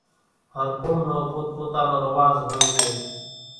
هر قوم نو پوت پوتا نو رواز هوئيَ سي۔